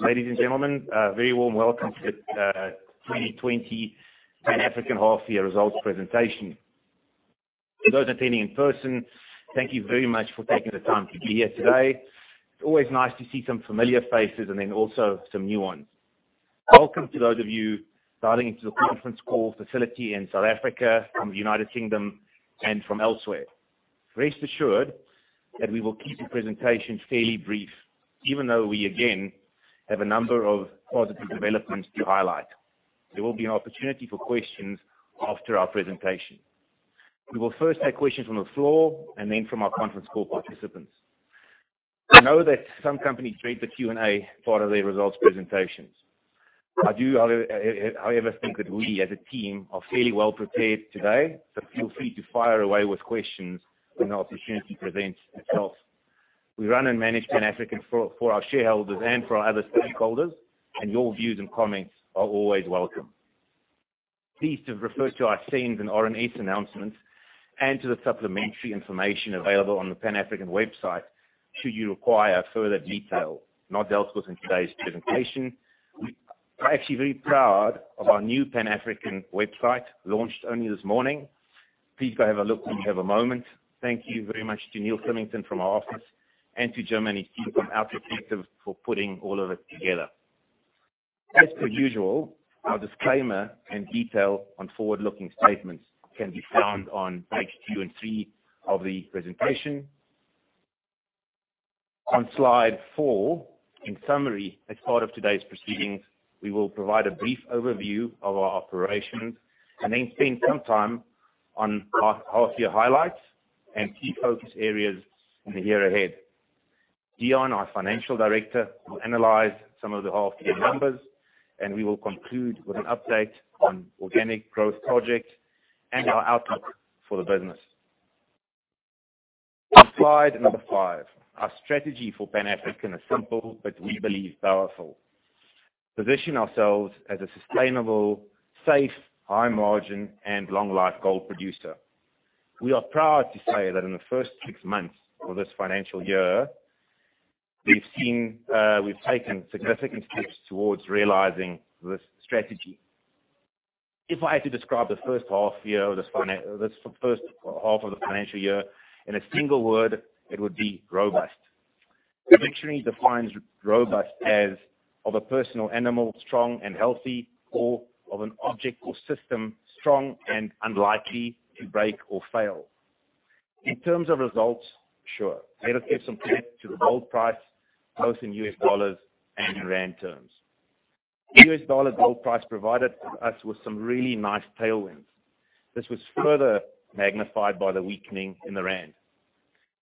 Ladies and gentlemen, a very warm welcome to the 2020 Pan African Half-Year Results Presentation. For those attending in person, thank you very much for taking the time to be here today. It is always nice to see some familiar faces and then also some new ones. Welcome to those of you dialing into the conference call facility in South Africa, from the U.K., and from elsewhere. Rest assured that we will keep the presentation fairly brief, even though we, again, have a number of positive developments to highlight. There will be an opportunity for questions after our presentation. We will first take questions from the floor and then from our conference call participants. I know that some companies treat the Q&A part of their results presentations. I do, however, I think that we, as a team, are fairly well prepared today, so feel free to fire away with questions when the opportunity presents itself. We run and manage Pan African for our shareholders and for our other stakeholders. Your views and comments are always welcome. Please refer to our SENS and RNS announcements and to the supplementary information available on the Pan African website should you require further detail not dealt with in today's presentation. We are actually very proud of our new Pan African website launched only this morning. Please go have a look when you have a moment. Thank you very much to Niel Symington from our office and to Jeremy Stephen from Otternative for putting all of it together. As per usual, our disclaimer and detail on forward-looking statements can be found on pages two and three of the presentation. On slide four, in summary, as part of today's proceedings, we will provide a brief overview of our operations and then spend some time on our half-year highlights and key focus areas in the year ahead. Deon, our Financial Director, will analyze some of the half-year numbers. We will conclude with an update on organic growth projects and our outlook for the business. On slide number five, our strategy for Pan African is simple, but we believe powerful. Position ourselves as a sustainable, safe, high-margin, and long-life gold producer. We are proud to say that in the first six months of this financial year, we've taken significant steps towards realizing this strategy. If I had to describe the first half of the financial year in a single word, it would be robust. The dictionary defines robust as of a personal animal, strong and healthy, or of an object or system, strong and unlikely to break or fail. In terms of results, sure. Let us give some credit to the gold price, both in U.S. dollars and in rand terms. The U.S. dollar gold price provided us with some really nice tailwinds. This was further magnified by the weakening in the rand.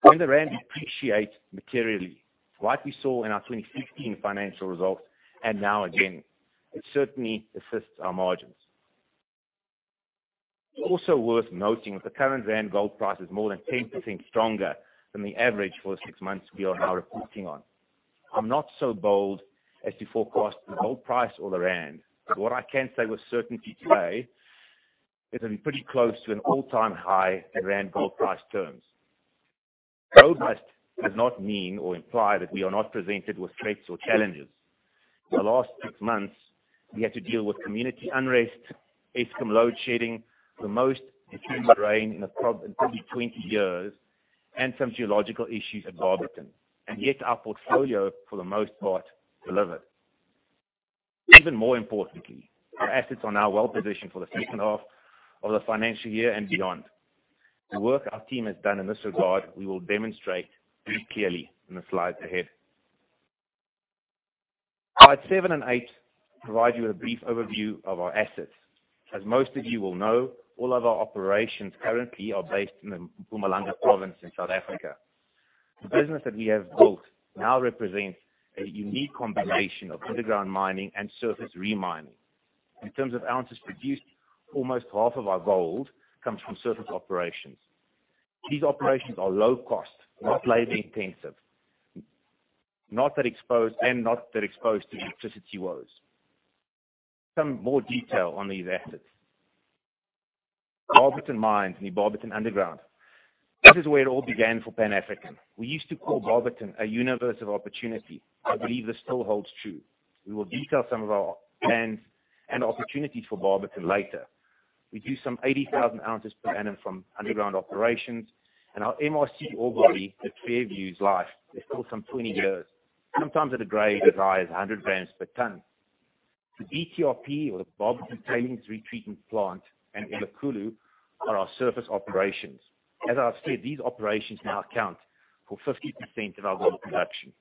When the rand depreciates materially, like we saw in our 2016 financial results and now again, it certainly assists our margins. Also worth noting that the current rand gold price is more than 10% stronger than the average for the six months we are now reporting on. I'm not so bold as to forecast the gold price or the rand. What I can say with certainty today is I'm pretty close to an all-time high in rand gold price terms. Robust does not mean or imply that we are not presented with threats or challenges. The last six months, we had to deal with community unrest, Eskom load shedding, the most rain in probably 20 years, and some geological issues at Barberton, and yet our portfolio, for the most part, delivered. Even more importantly, our assets are now well-positioned for the second half of the financial year and beyond. The work our team has done in this regard, we will demonstrate very clearly in the slides ahead. Slides seven and eight provide you a brief overview of our assets. As most of you will know, all of our operations currently are based in the Mpumalanga province in South Africa. The business that we have built now represents a unique combination of underground mining and surface re-mining. In terms of ounces produced, almost half of our gold comes from surface operations. These operations are low cost, not labor intensive, and not that exposed to the electricity woes. Some more detail on these assets. Barberton Mines, the Barberton underground. This is where it all began for Pan African. We used to call Barberton a universe of opportunity. I believe this still holds true. We will detail some of our plans and opportunities for Barberton later. We do some 80,000 ounces per annum from underground operations, and our MRC ore body at Fairview's life is still some 20 years. Sometimes at a grade as high as 100 grams per ton. The BTRP or the Barberton Tailings Retreatment Plant and Elikhulu are our surface operations. As I've said, these operations now account for 50% of our gold production.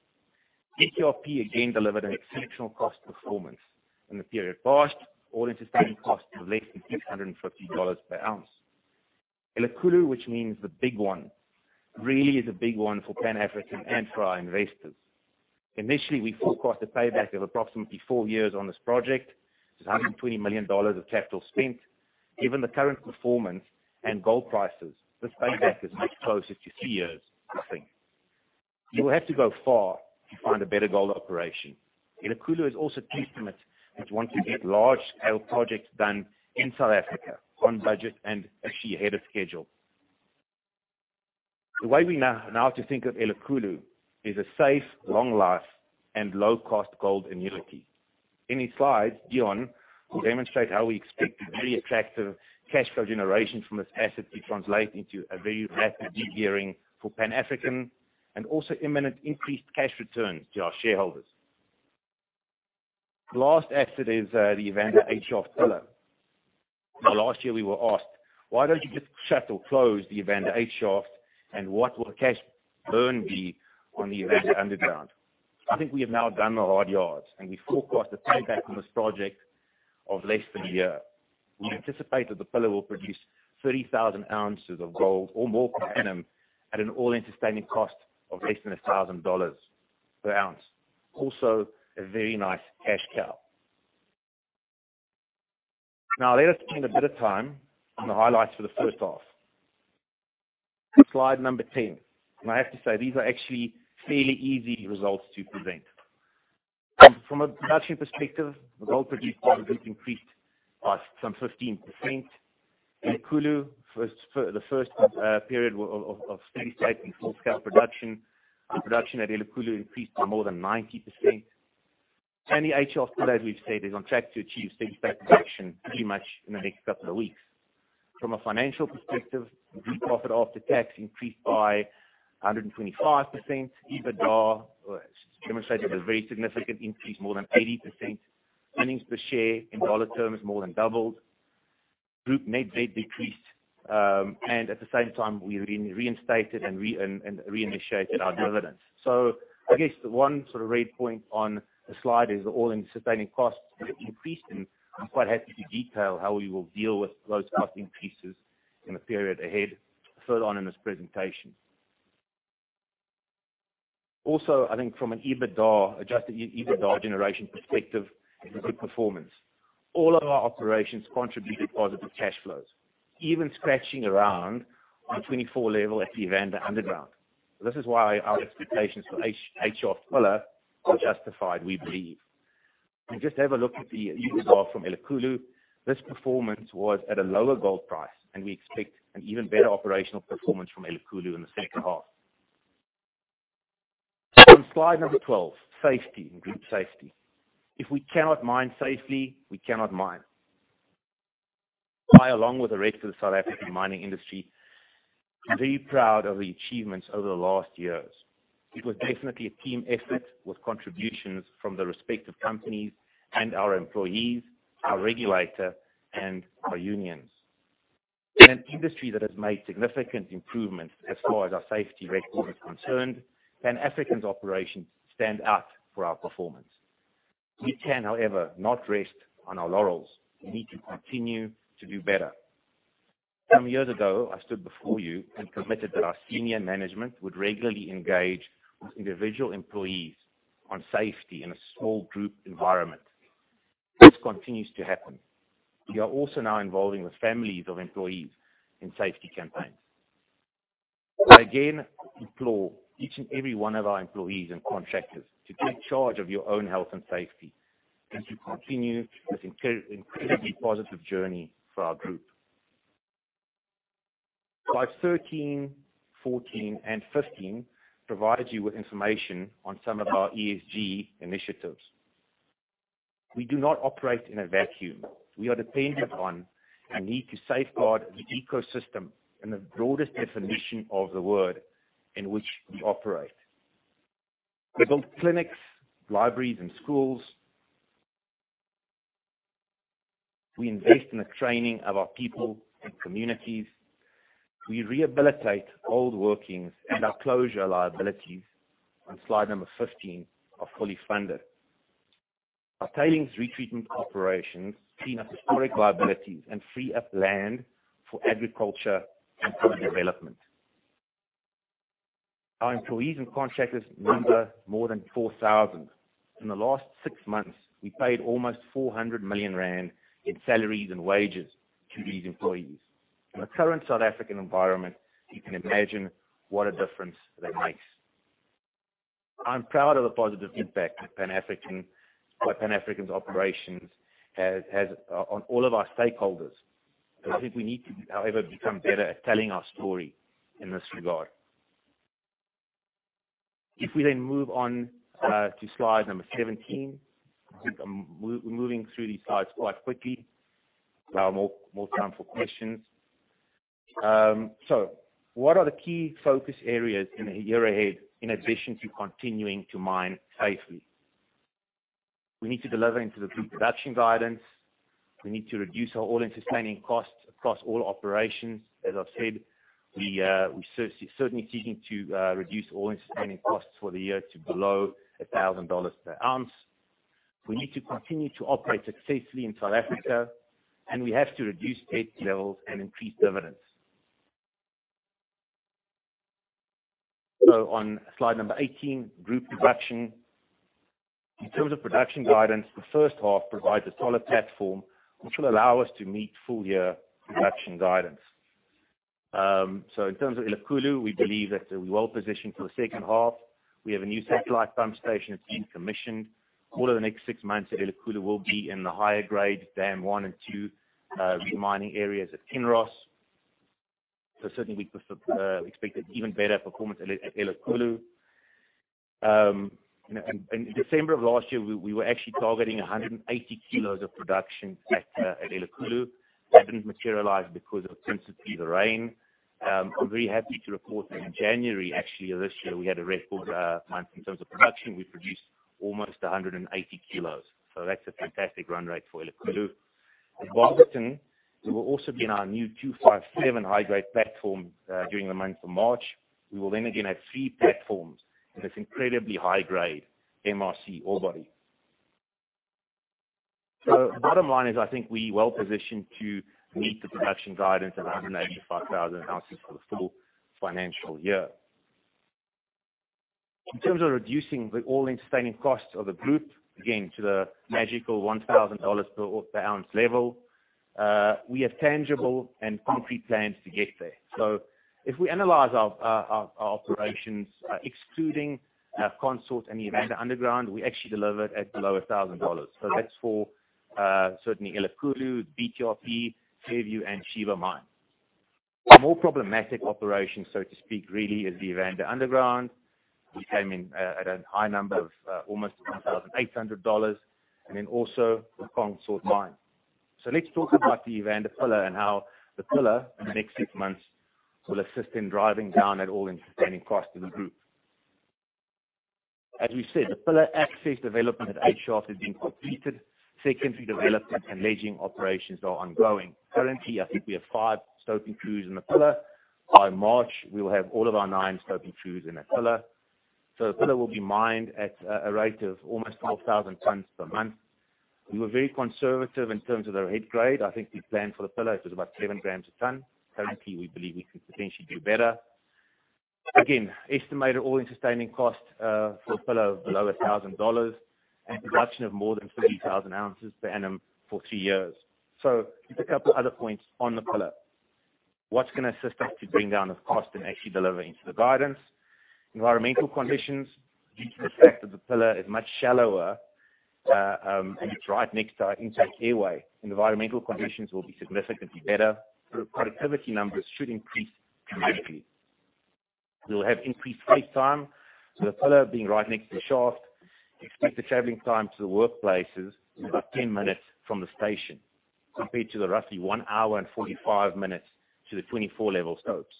BTRP, again, delivered an exceptional cost performance. In the period past, all-in sustaining costs of less than $650 per ounce. Elikhulu, which means the big one, really is a big one for Pan African and for our investors. Initially, we forecast a payback of approximately four years on this project. It's $120 million of capital spent. Given the current performance and gold prices, this payback is much closer to three years, we think. You will have to go far to find a better gold operation. Elikhulu is also testament that once you get large scale projects done in South Africa on budget and actually ahead of schedule. The way we now have to think of Elikhulu is a safe, long life, and low-cost gold annuity. In his slides, Deon will demonstrate how we expect the very attractive cash flow generation from this asset to translate into a very rapid de-gearing for Pan African, and also imminent increased cash returns to our shareholders. The last asset is the Evander 8 Shaft pillar. Last year we were asked, "Why don't you just shut or close the Evander 8 Shaft, and what will the cash burn be on the Evander underground?" I think we have now done the hard yards, and we forecast a payback on this project of less than a year. We anticipate that the pillar will produce 30,000 ounces of gold or more per annum at an all-in sustaining costs of less than $1,000 per ounce. A very nice cash cow. Let us spend a bit of time on the highlights for the first half. Slide number 10. I have to say, these are actually fairly easy results to present. From a production perspective, the gold produced by the group increased by some 15%. Elikhulu, the first period of steady state and full scale production, the production at Elikhulu increased by more than 90%. The 8 Shaft pillar, as we've said, is on track to achieve steady state production pretty much in the next couple of weeks. From a financial perspective, group profit after tax increased by 125%. EBITDA, as demonstrated, a very significant increase, more than 80%. Earnings per share in dollar terms more than doubled. Group net debt decreased. At the same time, we reinstated and reinitiated our dividends. I guess one sort of red point on the slide is the all-in sustaining costs have increased, and I'm quite happy to detail how we will deal with those cost increases in the period ahead further on in this presentation. Also, I think from an adjusted EBITDA generation perspective, it was a good performance. All of our operations contributed positive cash flows, even scratching around on the 24 level at the Evander underground. This is why our expectations for 8 Shaft pillar are justified, we believe. Just have a look at the EBITDA from Elikhulu. This performance was at a lower gold price, and we expect an even better operational performance from Elikhulu in the second half. On slide 12, safety and group safety. If we cannot mine safely, we cannot mine. I, along with the rest of the South African mining industry, am very proud of the achievements over the last years. It was definitely a team effort with contributions from the respective companies and our employees, our regulator, and our unions. In an industry that has made significant improvements as far as our safety record is concerned, Pan African's operations stand out for our performance. We can, however, not rest on our laurels. We need to continue to do better. Some years ago, I stood before you and committed that our senior management would regularly engage with individual employees on safety in a small group environment. This continues to happen. We are also now involving the families of employees in safety campaigns. I again implore each and every one of our employees and contractors to take charge of your own health and safety as we continue this incredibly positive journey for our group. Slides 13, 14, and 15 provide you with information on some of our ESG initiatives. We do not operate in a vacuum. We are dependent on and need to safeguard the ecosystem in the broadest definition of the word in which we operate. We build clinics, libraries, and schools. We invest in the training of our people and communities. We rehabilitate old workings and our closure liabilities on slide number 15 are fully funded. Our tailings treatment operations clean up historic liabilities and free up land for agriculture and urban development. Our employees and contractors number more than 4,000. In the last six months, we paid almost 400 million rand in salaries and wages to these employees. In the current South African environment, you can imagine what a difference that makes. I'm proud of the positive impact that Pan African's operations has on all of our stakeholders. I think we need to, however, become better at telling our story in this regard. If we move on to slide 17. I'm moving through these slides quite quickly to allow more time for questions. What are the key focus areas in the year ahead, in addition to continuing to mine safely? We need to deliver into the group production guidance. We need to reduce our all-in sustaining costs across all operations. As I've said, we're certainly seeking to reduce all-in sustaining costs for the year to below $1,000 per ounce. We need to continue to operate successfully in South Africa, and we have to reduce debt levels and increase dividends. On slide 18, group production. In terms of production guidance, the first half provides a solid platform which will allow us to meet full year production guidance. In terms of Elikhulu, we believe that we're well-positioned for the second half. We have a new satellite pump station that's been commissioned. All of the next six months at Elikhulu will be in the higher grade dam one and two re-mining areas at Kinross. Certainly we'd expect even better performance at Elikhulu. In December of last year, we were actually targeting 180 kilos of production at Elikhulu. That didn't materialize because of principally the rain. I'm very happy to report that in January, actually, of this year, we had a record month in terms of production. We produced almost 180 kilos. That's a fantastic run rate for Elikhulu. At Barberton, we will also be in our new 257 high-grade platform during the month of March. We will then again have three platforms in this incredibly high-grade MRC ore body. Bottom line is, I think we're well-positioned to meet the production guidance of 185,000 ounces for the full financial year. In terms of reducing the all-in sustaining costs of the group, again, to the magical $1,000 per ounce level, we have tangible and concrete plans to get there. If we analyze our operations, excluding Consort and Evander Underground, we actually delivered at below $1,000. That's for certainly Elikhulu, BTRP, Fairview, and Sheba Mine. The more problematic operation, so to speak, really is the Evander Underground. We came in at a high number of almost $1,800, then also the Consort Mine. Let's talk about the Evander pillar and how the pillar in the next six months will assist in driving down that all-in sustaining costs of the group. As we said, the pillar access development at 8 Shaft has been completed. Secondary development and ledging operations are ongoing. Currently, I think we have five stoping crews in the pillar. By March, we will have all of our nine stoping crews in that pillar. The pillar will be mined at a rate of almost 12,000 tons per month. We were very conservative in terms of the head grade. I think we planned for the pillar. It was about seven grams a ton. Currently, we believe we can potentially do better. Again, estimated all-in sustaining costs for a pillar of below $1,000 and production of more than 30,000 ounces per annum for three years. Just a couple other points on the pillar. What's going to assist us to bring down this cost and actually deliver into the guidance? Environmental conditions, due to the fact that the pillar is much shallower, and it's right next to our intake airway. Environmental conditions will be significantly better. Productivity numbers should increase dramatically. We'll have increased face time. The pillar being right next to the shaft, expect the traveling time to the workplaces is about 10 minutes from the station, compared to the roughly 1 hour and 45 minutes to the 24 level stopes.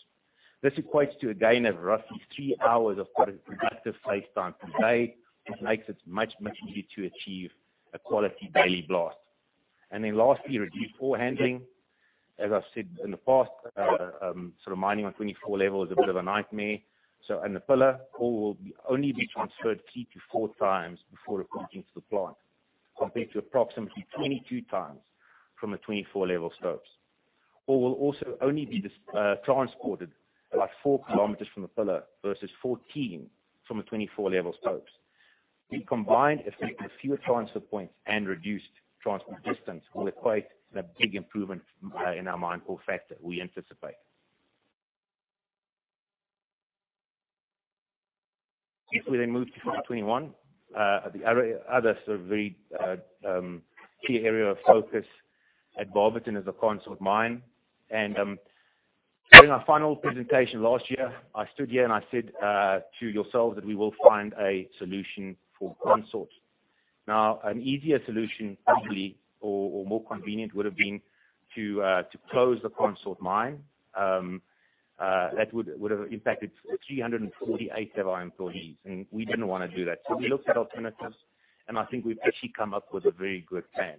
This equates to a gain of roughly 3 hours of productive face time per day, which makes it much, much easier to achieve a quality daily blast. Lastly, reduced ore handling. As I've said in the past, sort of mining on 24 level is a bit of a nightmare. In the pillar, ore will only be transferred 3x to 4x before reporting to the plant, compared to approximately 22x from a 24 level stopes. Ore will also only be transported about four kilometers from the pillar versus 14 from a 24 level stopes. The combined effect of fewer transfer points and reduced transport distance will equate to a big improvement in our mine call factor we anticipate. If we then move to slide 21, the other sort of very key area of focus at Barberton is the Consort Mine. During our final presentation last year, I stood here and I said to yourselves that we will find a solution for Consort. An easier solution, probably, or more convenient would have been to close the Consort Mine. That would have impacted 348 of our employees, and we didn't want to do that. We looked at alternatives, and I think we've actually come up with a very good plan.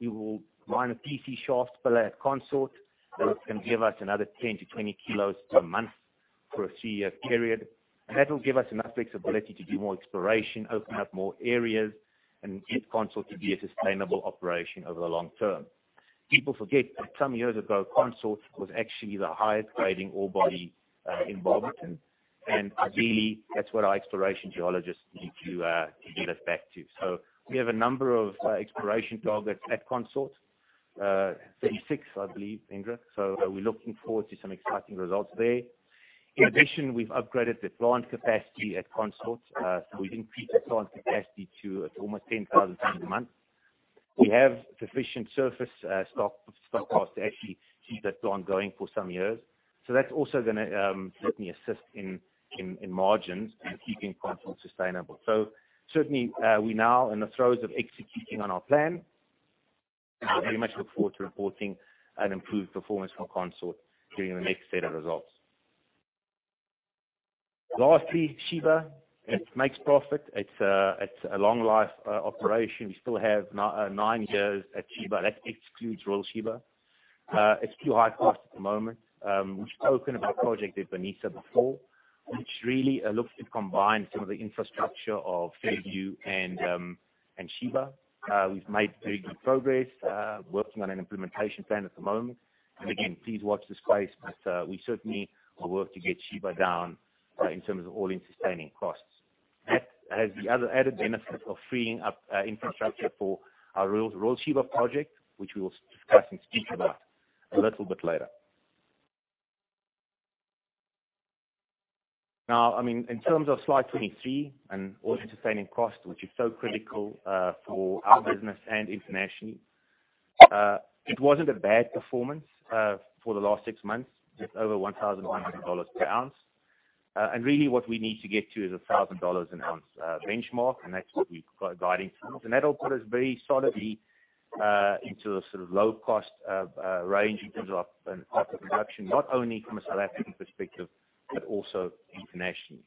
We will mine a PC shaft pillar at Consort that is going to give us another 10-20 kilos per month for a three-year period. That will give us enough flexibility to do more exploration, open up more areas, and get Consort to be a sustainable operation over the long term. People forget that some years ago, Consort was actually the highest grading ore body in Barberton. Ideally, that's what our exploration geologists need to get us back to. We have a number of exploration targets at Consort. 36, I believe, Indra. We're looking forward to some exciting results there. In addition, we've upgraded the plant capacity at Consort. We've increased the plant capacity to almost 10,000 tons a month. We have sufficient surface stockpiles to actually keep that plant going for some years. That's also gonna certainly assist in margins and keeping Consort sustainable. Certainly, we're now in the throes of executing on our plan. I very much look forward to reporting an improved performance from Consort during the next set of results. Lastly, Sheba. It makes profit. It's a long life operation. We still have nine years at Sheba. That excludes Royal Sheba. It's too high cost at the moment. We've spoken about Project Ebenezer before, which really looks to combine some of the infrastructure of Fairview and Sheba. We've made very good progress, working on an implementation plan at the moment. Again, please watch this space, but we certainly will work to get Sheba down in terms of all-in sustaining costs. Has the other added benefit of freeing up infrastructure for our Royal Sheba project, which we will discuss and speak about a little bit later. Now, in terms of slide 23 and all-in sustaining costs, which is so critical for our business and internationally. It wasn't a bad performance for the last six months, just over $1,100 per ounce. Really what we need to get to is $1,000 an ounce benchmark, and that's what we're guiding towards. That'll put us very solidly into a sort of low-cost range in terms of our production, not only from a South African perspective but also internationally.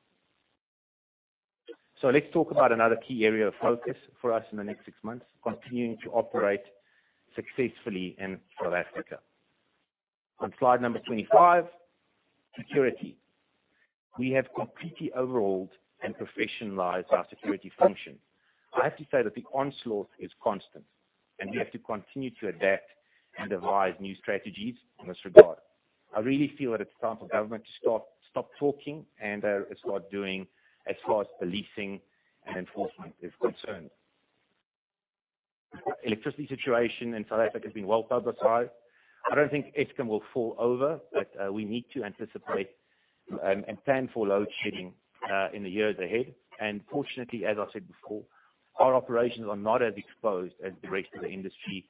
Let's talk about another key area of focus for us in the next six months, continuing to operate successfully in South Africa. On slide number 25, security. We have completely overhauled and professionalized our security function. I have to say that the onslaught is constant, and we have to continue to adapt and devise new strategies in this regard. I really feel that it's time for government to stop talking and start doing as far as policing and enforcement is concerned. Electricity situation in South Africa has been well-publicized. I don't think Eskom will fall over, but we need to anticipate and plan for load shedding in the years ahead. Fortunately, as I said before, our operations are not as exposed as the rest of the industry,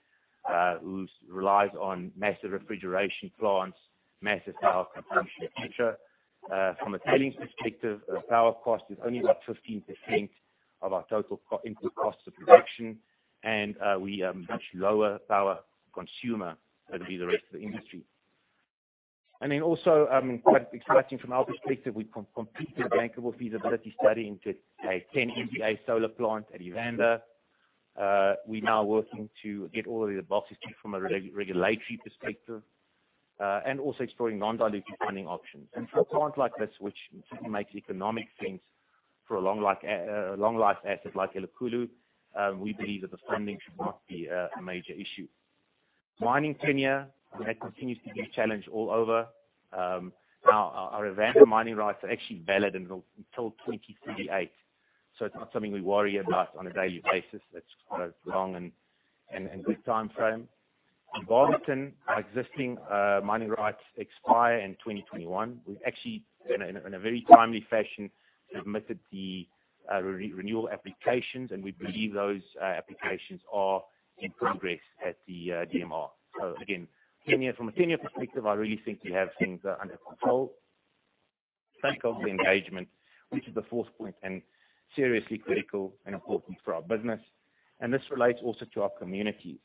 who relies on massive refrigeration plants, massive power consumption, et cetera. From a tailings perspective, power cost is only about 15% of our total input cost of production, and we are much lower power consumer than the rest of the industry. Also, quite exciting from our perspective, we've completed a bankable feasibility study into a 10 MW solar plant at Evander. We're now working to get all of the boxes ticked from a regulatory perspective. Also exploring non-dilutive funding options. For a plant like this, which makes economic sense for a long life asset like Elikhulu, we believe that the funding should not be a major issue. Mining tenure, that continues to be a challenge all over. Our Evander mining rights are actually valid until 2038, it's not something we worry about on a daily basis. That's quite a long and good timeframe. In Barberton, our existing mining rights expire in 2021. We've actually, in a very timely fashion, submitted the renewal applications, we believe those applications are in progress at the DMR. Again, from a tenure perspective, I really think we have things under control. Stakeholder engagement, which is the fourth point and seriously critical and important for our business. This relates also to our communities.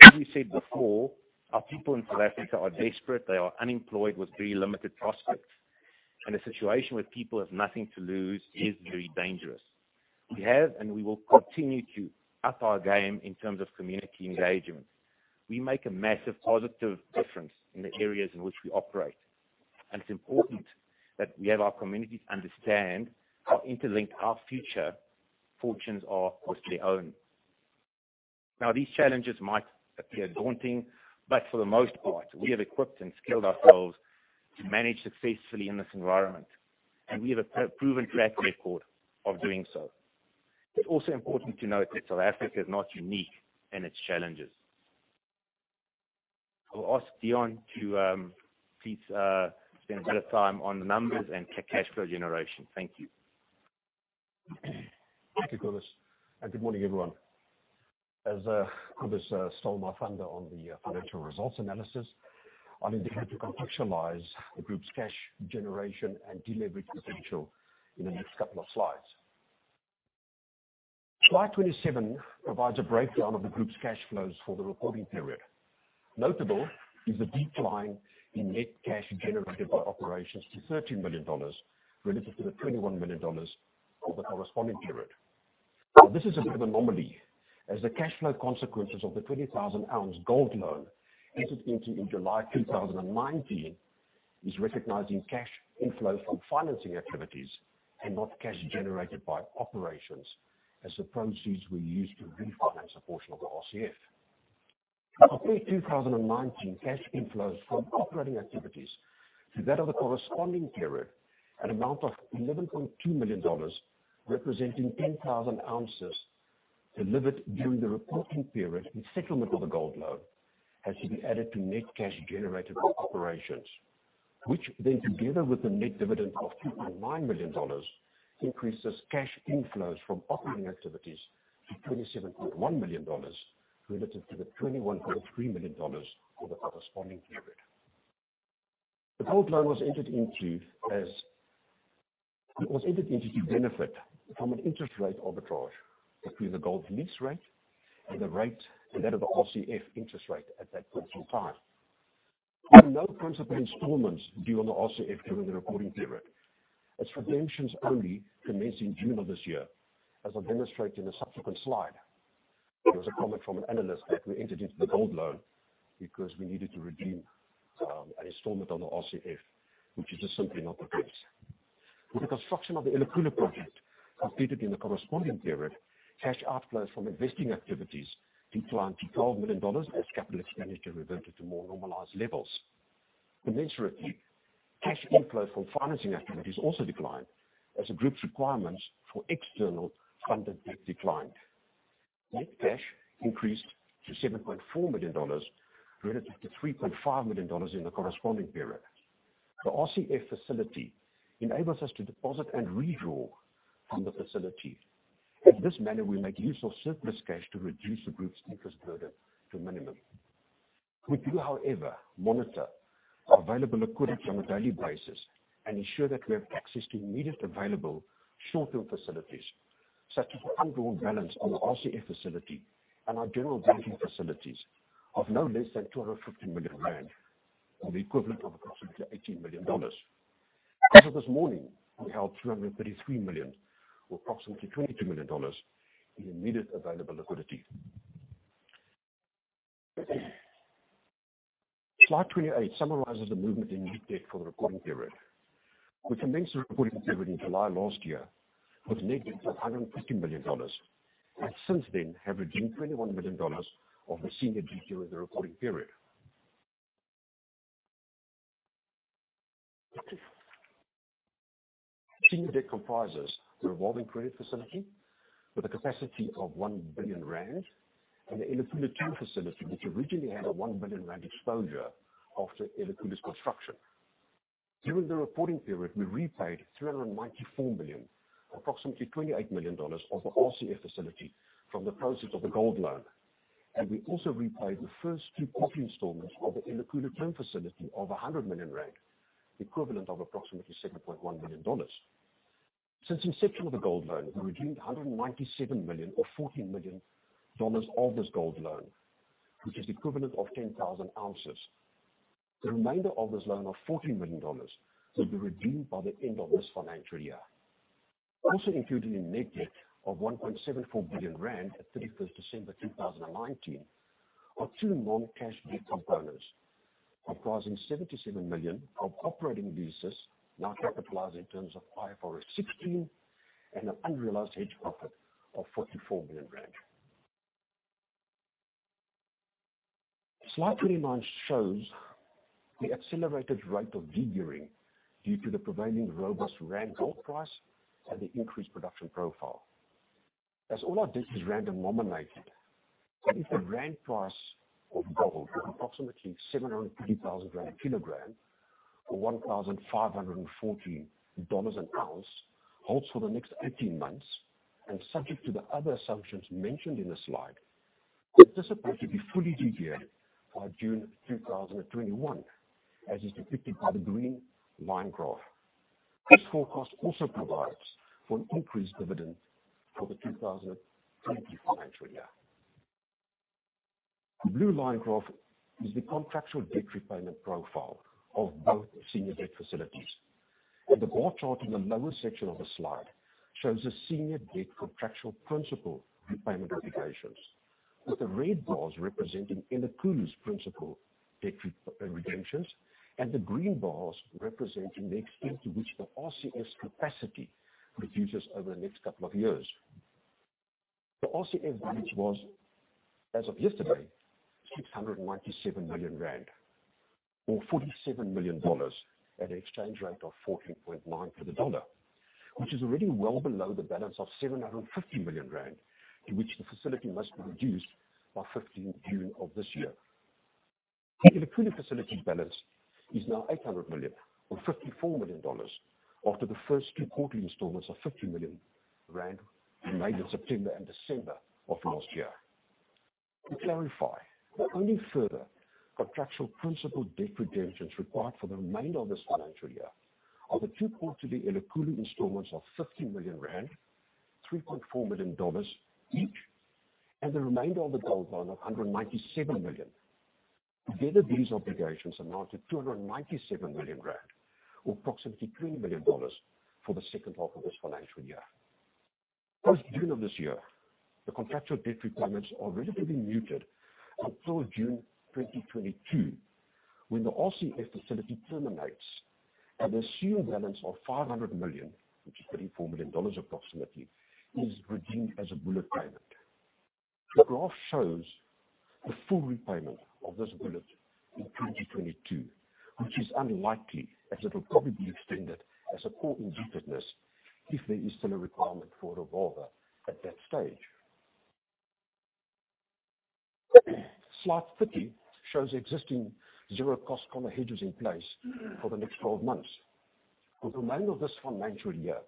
As we said before, our people in South Africa are desperate. They are unemployed with very limited prospects. A situation where people have nothing to lose is very dangerous. We have and we will continue to up our game in terms of community engagement. We make a massive positive difference in the areas in which we operate. It's important that we have our communities understand how interlinked our future fortunes are with their own. Now, these challenges might appear daunting, but for the most part, we have equipped and skilled ourselves to manage successfully in this environment, and we have a proven track record of doing so. It's also important to note that South Africa is not unique in its challenges. I'll ask Deon to please spend a bit of time on the numbers and cash flow generation. Thank you. Thank you, Cobus. Good morning, everyone. As Cobus stole my thunder on the financial results analysis, I am indeed here to contextualize the group's cash generation and deleverage potential in the next couple of slides. Slide 27 provides a breakdown of the group's cash flows for the reporting period. Notable is the decline in net cash generated by operations to $13 million relative to the $21 million for the corresponding period. Now, this is a bit of an anomaly, as the cash flow consequences of the 20,000 ounce gold loan entered into in July 2019, is recognizing cash inflow from financing activities and not cash generated by operations as the proceeds were used to refinance a portion of the RCF. For case 2019, cash inflows from operating activities to that of the corresponding period, an amount of $11.2 million, representing 10,000 ounces delivered during the reporting period and settlement of the gold loan, has to be added to net cash generated from operations. Together with the net dividend of $2.9 million, increases cash inflows from operating activities to $27.1 million relative to the $21.3 million for the corresponding period. The gold loan was entered into to benefit from an interest rate arbitrage between the gold lease rate and that of the RCF interest rate at that point in time. There were no principal installments due on the RCF during the reporting period, as redemptions only commenced in June of this year, as I'll demonstrate in a subsequent slide. There was a comment from an analyst that we entered into the gold loan because we needed to redeem an installment on the RCF, which is just simply not the case. With the construction of the Elikhulu project completed in the corresponding period, cash outflows from investing activities declined to $12 million as capital expenditure reverted to more normalized levels. Concomitantly, cash inflow from financing activities also declined as the group's requirements for external funding declined. Net cash increased to $7.4 million relative to $3.5 million in the corresponding period. The RCF facility enables us to deposit and redraw from the facility. In this manner, we make use of surplus cash to reduce the group's interest burden to a minimum. We do, however, monitor our available liquidity on a daily basis and ensure that we have access to immediate available short-term facilities, such as the undrawn balance on the RCF facility and our general banking facilities of no less than 250 million rand, or the equivalent of approximately $18 million. As of this morning, we held 333 million, or approximately $22 million, in immediate available liquidity. Slide 28 summarizes the movement in net debt for the recording period. Since then have redeemed $21 million of the senior debt during the recording period. Senior debt comprises the revolving credit facility with a capacity of 1 billion rand and the Elikhulu term facility, which originally had a 1 billion rand exposure after Elikhulu's construction. During the reporting period, we repaid 394 million, approximately $28 million of the RCF facility from the proceeds of the gold loan. We also repaid the first two quarterly installments of the Elikhulu term facility of 100 million rand, equivalent of approximately $7.1 million. Since inception of the gold loan, we redeemed 197 million or $14 million of this gold loan, which is equivalent of 10,000 ounces. The remainder of this loan of $14 million will be redeemed by the end of this financial year. Also included in net debt of 1.74 billion rand at 31st December 2019, are two non-cash debt components comprising 77 million of operating leases now capitalized in terms of IFRS 16, and an unrealized hedge profit of 44 million rand. Slide 29 shows the accelerated rate of de-gearing due to the prevailing robust ZAR gold price and the increased production profile. As all our debt is random denominated, if the ZAR price of gold of approximately 750,000 rand a kilogram or $1,540 an ounce holds for the next 18 months, and subject to the other assumptions mentioned in the slide, we anticipate to be fully de-geared by June 2021, as is depicted by the green line graph. This forecast also provides for an increased dividend for the 2020 financial year. The blue line graph is the contractual debt repayment profile of both senior debt facilities. The bar chart in the lower section of the slide shows the senior debt contractual principal repayment obligations, with the red bars representing Elikhulu's principal debt redemptions and the green bars representing the extent to which the RCF's capacity reduces over the next couple of years. The RCF balance was, as of yesterday, 697 million rand or $47 million at exchange rate of 14.9 for the dollar, which is already well below the balance of 750 million rand to which the facility must be reduced by 15 June of this year. The Elikhulu facility balance is now 800 million or $54 million after the first, two quarterly installments of 50 million rand were made in September and December of last year. To clarify, the only further contractual principal debt redemptions required for the remainder of this financial year are the two quarterly Elikhulu installments of 50 million rand, $3.4 million each, and the remainder of the gold loan of 197 million. Together, these obligations amount to 297 million rand or approximately $3 million for the second half of this financial year. Post-June of this year, the contractual debt requirements are relatively muted until June 2022 when the RCF facility terminates at the assumed balance of 500 million, which is $34 million approximately, is redeemed as a bullet payment. The graph shows the full repayment of this bullet in 2022, which is unlikely as it'll probably be extended as a core indebtedness if there is still a requirement for a revolver at that stage. Slide 30 shows existing zero cost collar hedges in place for the next 12 months. For the remainder of this financial year,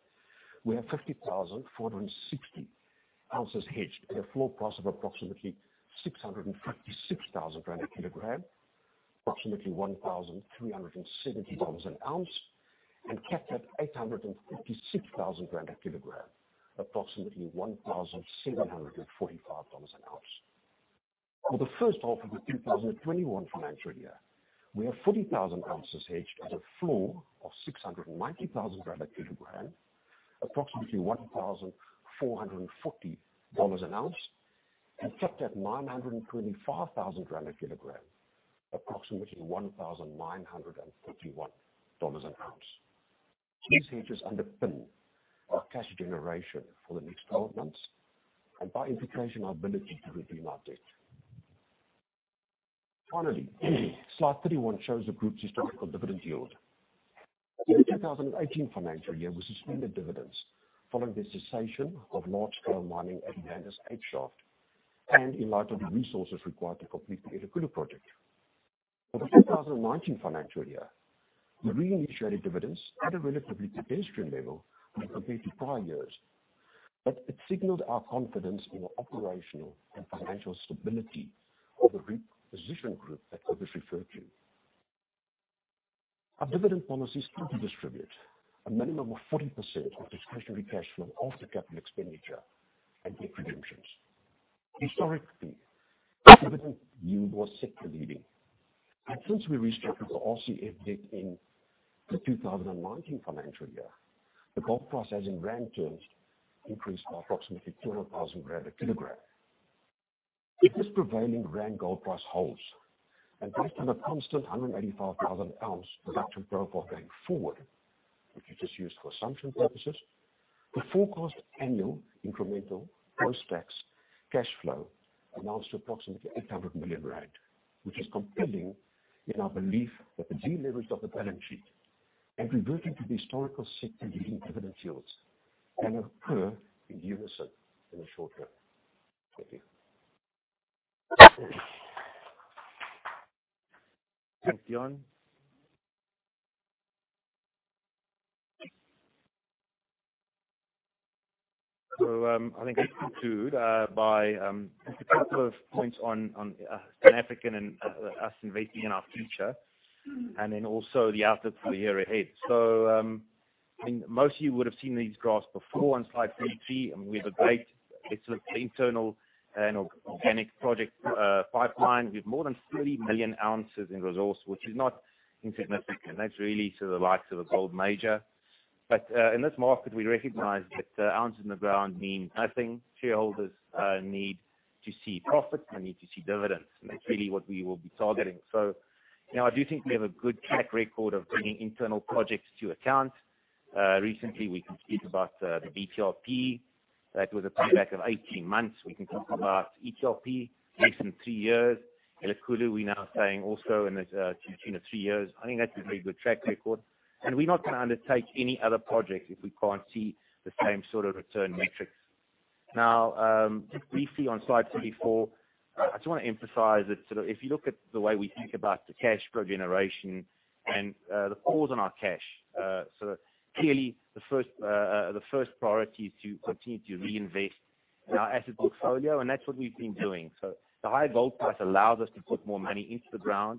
we have 50,460 ounces hedged at a floor price of approximately 656,000 rand a kilogram, approximately $1,370 an ounce, and capped at ZAR 856,000 a kilogram, approximately $1,745 an ounce. For the first half of the 2021 financial year, we have 40,000 ounces hedged at a floor of 690,000 rand a kilogram, approximately $1,440 an ounce, and capped at ZAR 925,000 a kilogram, approximately $1,951 an ounce. These hedges underpin our cash generation for the next 12 months, and by implication, our ability to redeem our debt. Finally, slide 31 shows the group's historical dividend yield. In the 2018 financial year, we suspended dividends following the cessation of large-scale mining at the Evander shaft, and in light of the resources required to complete the Elikhulu project. For the 2019 financial year, we reinitiated dividends at a relatively pedestrian level when compared to prior years. It signaled our confidence in the operational and financial stability of the repositioned group that Elvis referred to. Our dividend policy is to distribute a minimum of 40% of discretionary cash flow after capital expenditure and debt redemptions. Historically, our dividend yield was sector-leading, but since we restructured the RCF debt in the 2001 financial year, the gold price as in ZAR terms increased by approximately 200,000 rand a kilogram. If this prevailing ZAR gold price holds, and based on a constant 185,000 ounce production profile going forward, which we just used for assumption purposes, the forecast annual incremental post-tax cash flow amounts to approximately 800 million rand, which is compelling in our belief that the deleverage of the balance sheet and reverting to the historical sector-leading dividend yields can occur in unison in the short term. Thank you. Thanks, Deon. I think I conclude by a couple of points on South African and us investing in our future, and then also the outlook for the year ahead. Most of you would have seen these graphs before on slide 33. We have a great internal and organic project pipeline with more than 30 million ounces in resource, which is not insignificant. That's really to the likes of a gold major. In this market, we recognize that ounces in the ground mean nothing. Shareholders need to see profits, they need to see dividends, and that's really what we will be targeting. I do think we have a good track record of bringing internal projects to account. Recently we completed the BTRP. That was a payback of 18 months. We can talk about ETLP, less than three years. Elikhulu, we're now saying also in the tune of three years. We're not going to undertake any other project if we can't see the same sort of return metrics. Briefly on slide 34, I just want to emphasize that if you look at the way we think about the cash flow generation and the calls on our cash, clearly the first priority is to continue to reinvest in our asset portfolio, and that's what we've been doing. The high gold price allows us to put more money into the ground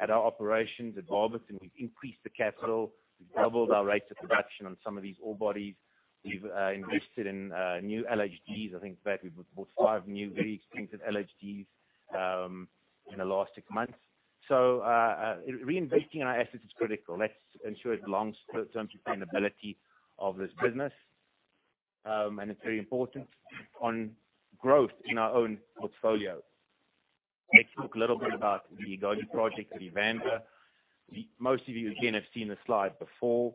at our operations. At Barberton's we've increased the capital, we've doubled our rates of production on some of these ore bodies. We've invested in new LHDs. I think that we've bought five new very expensive LHDs in the last six months. Reinvesting in our assets is critical. That ensures long-term sustainability of this business. It's very important on growth in our own portfolio. Let's talk a little bit about the Egoli project at Evander. Most of you, again, have seen this slide before.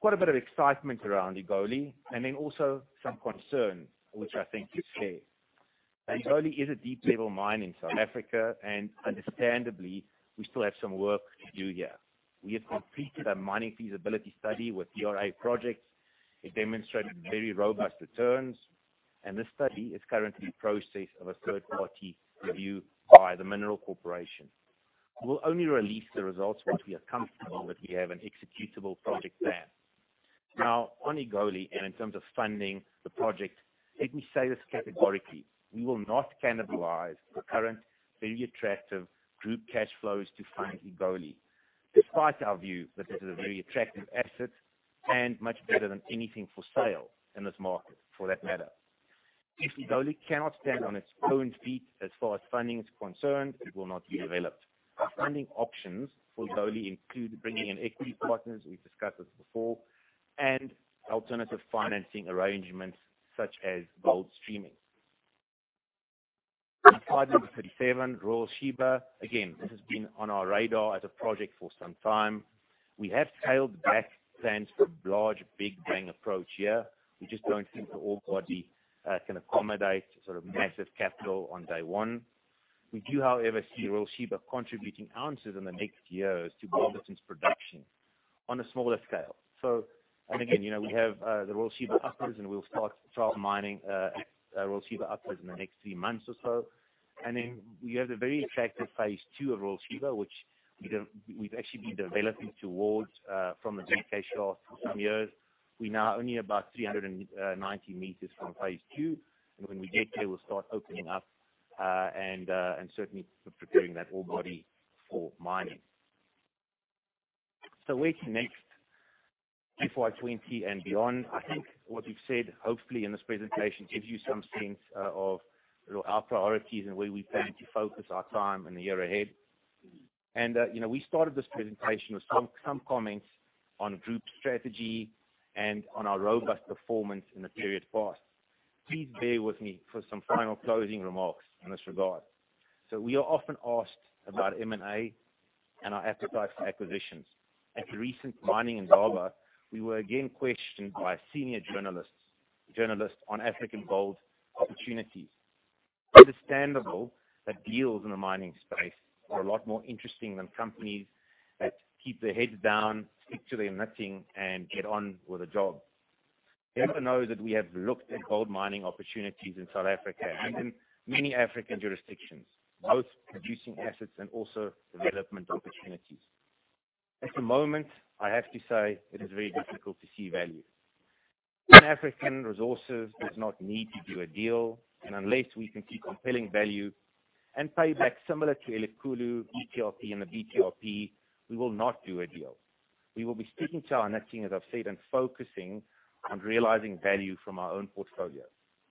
Quite a bit of excitement around Egoli, and then also some concerns which I think you share. Egoli is a deep-level mine in South Africa. Understandably, we still have some work to do here. We have completed a mining feasibility study with DRA Project. It demonstrated very robust returns. This study is currently in process of a third-party review by The Mineral Corporation. We'll only release the results once we are comfortable that we have an executable project plan. Now, on Egoli and in terms of funding the project, let me say this categorically. We will not cannibalize the current very attractive group cash flows to fund Egoli, despite our view that this is a very attractive asset and much better than anything for sale in this market, for that matter. If Egoli cannot stand on its own feet as far as funding is concerned, it will not be developed. Our funding options for Egoli include bringing in equity partners, we've discussed this before, and alternative financing arrangements such as gold streaming. On slide number 37, Royal Sheba. Again, this has been on our radar as a project for some time. We have scaled back plans for large big bang approach here. We just don't think the ore body can accommodate sort of massive capital on day one. We do, however, see Royal Sheba contributing ounces in the next years to Barberton's production on a smaller scale. And again, we have the Royal Sheba Upper and we'll start trial mining Royal Sheba Upper in the next three months or so. Then we have the very attractive phase II of Royal Sheba, which we've actually been developing towards from the ZK Shaft for some years. We're now only about 390 meters from phase II, and when we get there, we'll start opening up and certainly preparing that ore body for mining. Where to next, FY 2020 and beyond? I think what we've said, hopefully in this presentation, gives you some sense of our priorities and where we plan to focus our time in the year ahead. We started this presentation with some comments on group strategy and on our robust performance in the period past. Please bear with me for some final closing remarks in this regard. We are often asked about M&A and our appetite for acquisitions. At the recent Mining Indaba, we were again questioned by senior journalists on African gold opportunities. It's understandable that deals in the mining space are a lot more interesting than companies that keep their heads down, stick to their knitting, and get on with the job. You have to know that we have looked at gold mining opportunities in South Africa and in many African jurisdictions, both producing assets and also development opportunities. At the moment, I have to say, it is very difficult to see value. Pan African Resources does not need to do a deal, and unless we can see compelling value and payback similar to Elikhulu, BTRP. And the BTRP, we will not do a deal. We will be sticking to our knitting, as I've said, and focusing on realizing value from our own portfolio.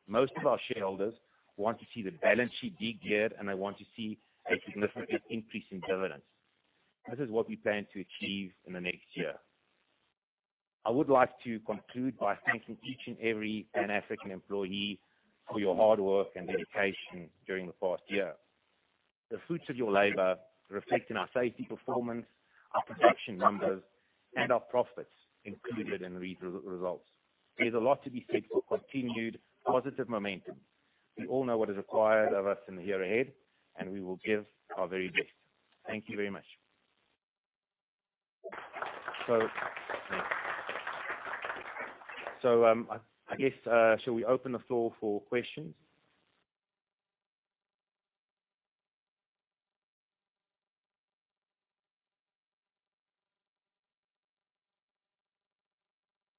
Most of our shareholders want to see the balance sheet de-geared, and they want to see a significant increase in dividends. This is what we plan to achieve in the next year. I would like to conclude by thanking each and every Pan African employee for your hard work and dedication during the past year. The fruits of your labor reflect in our safety performance, our production numbers, and our profits included in these results. There's a lot to be said for continued positive momentum. We all know what is required of us in the year ahead, we will give our very best. Thank you very much. I guess, shall we open the floor for questions?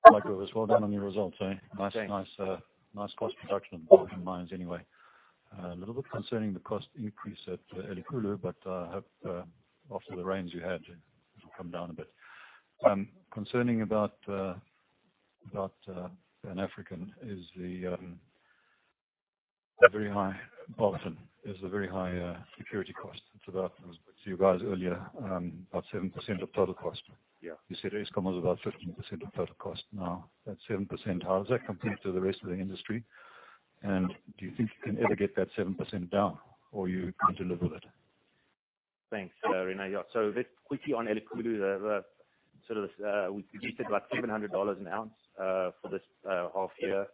Hi, Cobus. Well done on your results, okay. Nice cost reduction in both your mines anyway. A little bit concerning the cost increase at Elikhulu. I hope after the rains you had, it'll come down a bit. Concerning about Pan African is the very high security cost. I spoke to you guys earlier, about 7% of total cost. Yeah. You said Eskom was about 15% of total cost. Now, that 7%, how does that compare to the rest of the industry? Do you think you can ever get that 7% down or you can't deliver that? Thanks, Rene. Yeah. Just quickly on Elikhulu, we budgeted about $700 an ounce for this half year.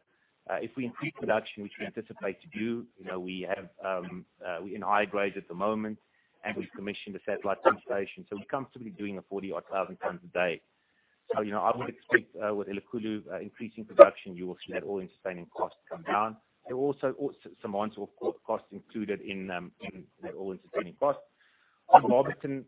If we increase production, which we anticipate to do, we're in high grades at the moment, and we've commissioned a satellite dump station, we're comfortably doing 40,000 odd tons a day. I would expect with Elikhulu increasing production, you will see that all-in sustaining costs come down. There are also some mines with costs included in their all-in sustaining costs. On Barberton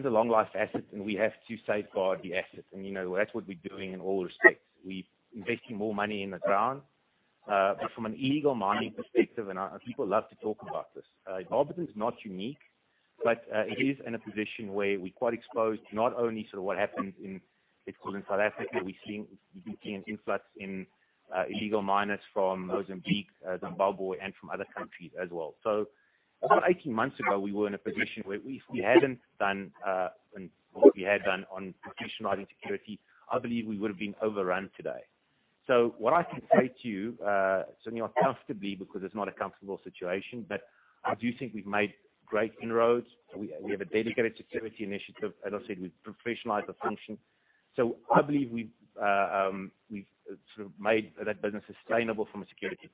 is a long life asset, we have to safeguard the asset. That's what we're doing in all respects. We're investing more money in the ground. From an illegal mining perspective, and our people love to talk about this, Barberton is not unique, it is in a position where we're quite exposed to not only sort of what happens in South Africa. We're seeing an influx in illegal miners from Mozambique, Zimbabwe, and from other countries as well. About 18 months ago, we were in a position where if we hadn't done what we had done on professionalizing security, I believe we would have been overrun today. What I can say to you, certainly not comfortably, because it's not a comfortable situation, but I do think we've made great inroads. We have a dedicated security initiative. As I said, we professionalized the function. I believe we've sort of made that business sustainable from a security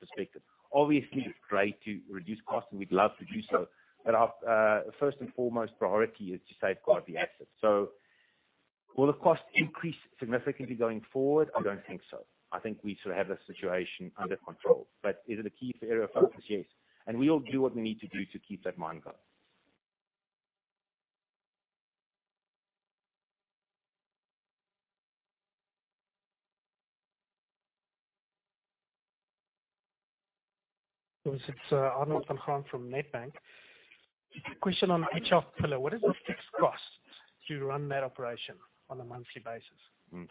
perspective. Obviously, it's great to reduce costs, and we'd love to do so. Our first and foremost priority is to safeguard the asset. Will the cost increase significantly going forward? I don't think so. I think we sort of have the situation under control. Is it a key area of focus? Yes. We will do what we need to do to keep that mine going. Cobus, it's Arnold Van Graan from Nedbank. Question on 8 Shaft pillar. What is the fixed cost to run that operation on a monthly basis?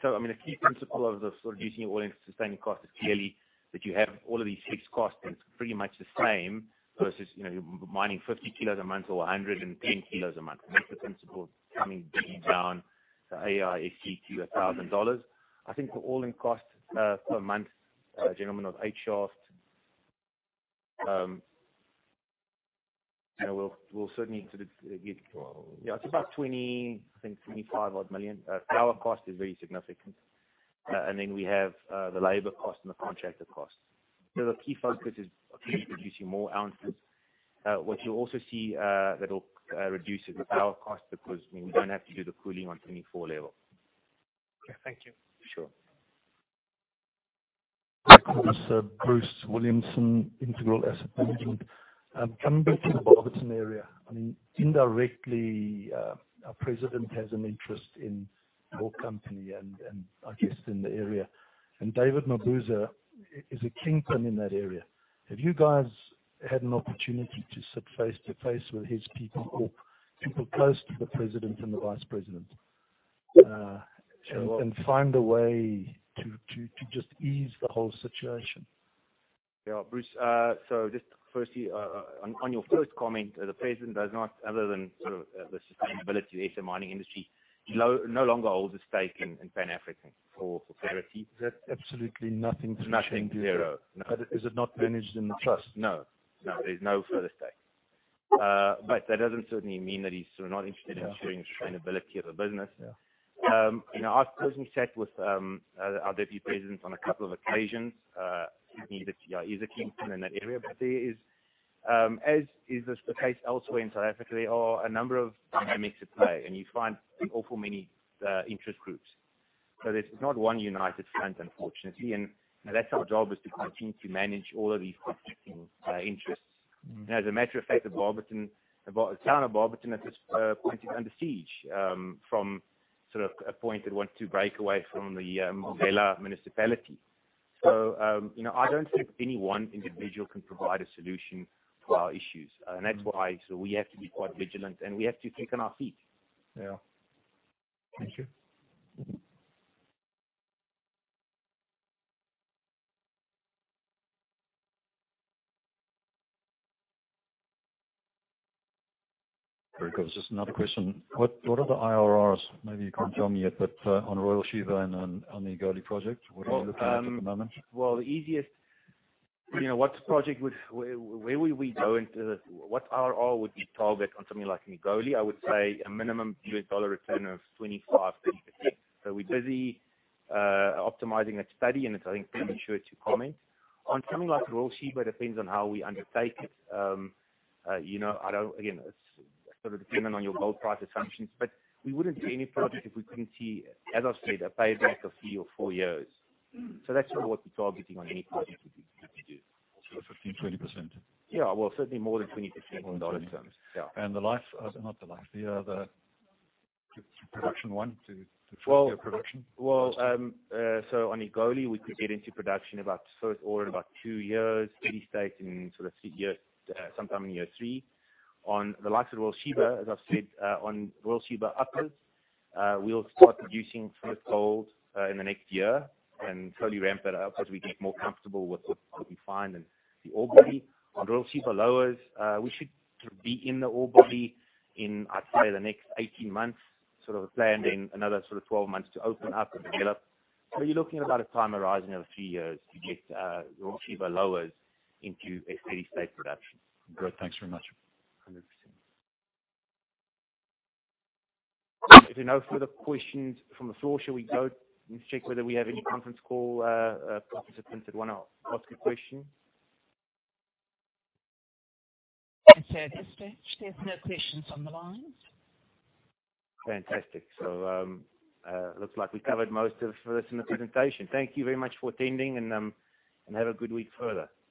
I mean, a key principle of reducing your all-in sustaining costs is clearly that you have all of these fixed costs, and it's pretty much the same versus mining 50 kilos a month or 110 kilos a month. That's the principle of coming down the AISC to ZAR 1,000. I think the all-in cost per month, gentlemen, of 8 Shaft, we'll certainly need to get. It's about 20 million, I think 25 million odd. Our power cost is very significant. Then we have the labor cost and the contractor cost. The key focus is obviously producing more ounces. What you'll also see that will reduce it is our cost because we don't have to do the cooling on 24 level. Okay. Thank you. Sure. Hi, Cobus. Bruce Williamson, Integral Asset Management. Coming back to the Barberton area, I mean, indirectly, our president has an interest in your company and I guess in the area. David Mabuza is a kingpin in that area. Have you guys had an opportunity to sit face to face with his people or people close to the president and the vice president and find a way to just ease the whole situation? Yeah, Bruce. Just firstly, on your first comment, the president does not, other than sort of the sustainability of the asset mining industry, he no longer holds a stake in Pan African for clarity. Is that absolutely nothing to change? Nothing, zero. No. Is it not managed in the trust? No. There's no further stake. That doesn't certainly mean that he's not interested in ensuring the sustainability of the business. Yeah. I've personally sat with our Deputy President on a couple of occasions. He's the kingpin in that area. As is the case elsewhere in South Africa, there are a number of dynamics at play, and you find an awful many interest groups. This is not one united front, unfortunately. That's our job, is to continue to manage all of these conflicting interests. As a matter of fact, the town of Barberton at this point is under siege, from a point that wants to break away from the Mbombela municipality. I don't think any one individual can provide a solution to our issues. That's why we have to be quite vigilant, and we have to think on our feet. Yeah. Thank you. Very good. Just another question. What are the IRRs? Maybe you can't join me yet, but on Royal Sheba and on the Egoli project, what are you looking at at the moment? Well, where would we go into this? What IRR would we target on something like Egoli? I would say a minimum USD return of 25%-30%. We're busy optimizing that study, and it's, I think, premature to comment. On something like Royal Sheba, depends on how we undertake it. Again, it's dependent on your gold price assumptions. We wouldn't do any project if we couldn't see, as I've said, a payback of three or four years. That's sort of what we're targeting on any project that we do. So a 15%-20%? Yeah. Well, certainly more than 20% on a dollar terms. Yeah, and the last. The production one to full-year production. Well, so on Egoli, we could get into production about first ore in about two years, steady state in sometime in year three. On the likes of Royal Sheba, as I've said, on Royal Sheba Upper, we'll start producing first gold in the next year and slowly ramp that up as we get more comfortable with what we find in the ore body. On Royal Sheba Lower, we should be in the ore body in, I'd say, the next 18 months, sort of a plan, then another sort of 12 months to open up and develop. You're looking at about a time horizon of a few years to get Royal Sheba Lower into a steady state production. Great. Thanks very much. 100%. If there are no further questions from the floor, shall we go and check whether we have any conference call participants that want to ask a question? I'm sorry, Mr. Loots. There's no questions on the line. Fantastic. So, looks like we covered most of this in the presentation. Thank you very much for attending, and have a good week further. Thanks.